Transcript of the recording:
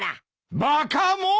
バカもん！